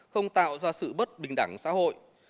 không tạo ra sự bất bình đẳng xã hội